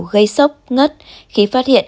gây sốc ngất khi phát hiện